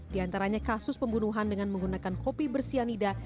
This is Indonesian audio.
di antaranya kasus pembunuhan dengan menggunakan kopi bersianida